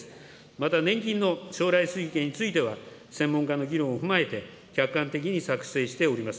また、年金の将来推計については、専門家の議論を踏まえて、客観的に作成しております。